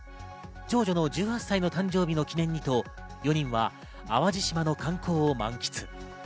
長女の１８歳の誕生日の記念にと４人は淡路島の観光を満喫。